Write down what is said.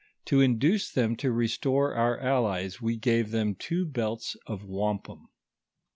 To induce them to restore our allies, we gave them two belts of wam pum.